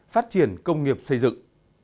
phát triển công nghiệp xây dựng